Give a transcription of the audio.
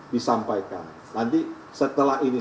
disampaikan nanti setelah ini